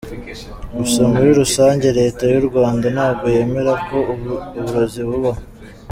Gusa muri Rusange Leta y’ u Rwanda ntabwo yemera ko uburozi bubaho.